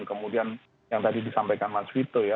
kemudian yang tadi disampaikan mas vito ya